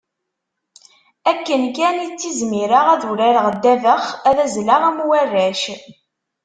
Akken kan i ttizmireɣ ad urareɣ ddabex, ad azleɣ am warrac.